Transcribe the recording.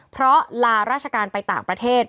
เพราะลาราชการไปต่างประเทศ